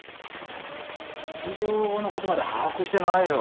卒業後のことまで把握してないよ。